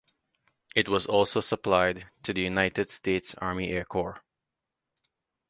It was also supplied to the United States Army Air Corps.